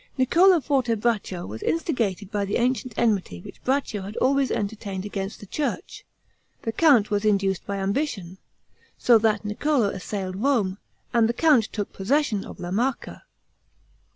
Niccolo Fortebraccio was instigated by the ancient enmity which Braccio had always entertained against the church; the count was induced by ambition: so that Niccolo assailed Rome, and the count took possession of La Marca.